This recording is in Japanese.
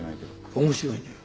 面白いのよ。